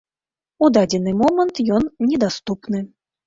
У дадзены момант ён недаступны.